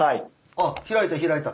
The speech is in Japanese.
あ開いた開いた。